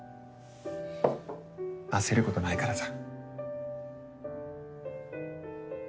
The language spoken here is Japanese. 焦ることないからさ。